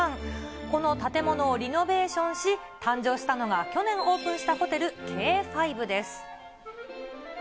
この建物をリノベーションし、誕生したのが去年オープンしたホテル、Ｋ５です。